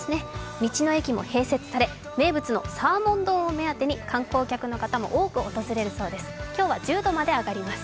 道の駅も併設され、名物のサーモン丼を目当てに観光客の方も多く訪れるそうです。